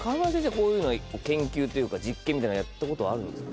こういうのは研究というか実験みたいなのはやったことあるんですか？